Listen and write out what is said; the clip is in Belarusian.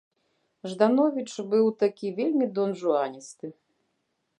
Ждановіч быў такі вельмі донжуаністы.